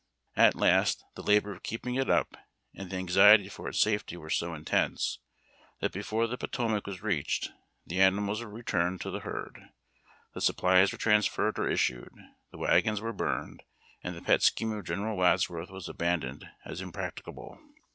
At last the labor of keeping it up and the anxiety for its safety were so intense that before the Potomac was reached the animals were returned to the lierd, the sup plies were transferred or issued, the wagons were burned, and the pet scheme of General Wadsworth was abandoned as impracticable.